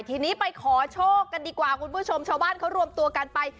ทีนี้ไปขอโชคกันดีกว่าคุณผู้ชมชาวบ้านเขารวมตัวกันไป